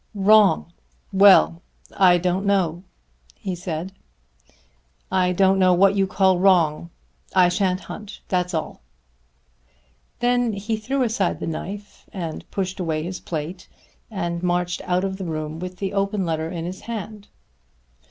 "Wrong, well; I don't know," he said. "I don't know what you call wrong. I shan't hunt; that's all." Then he threw aside the knife and pushed away his plate and marched out of the room with the open letter in his hand.